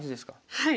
はい。